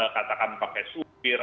katakan pakai supir